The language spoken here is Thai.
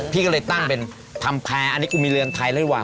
พี่ก็เลยตั้งเป็นทำแพร่อันนี้กูมีเรือนไทยหรือเปล่า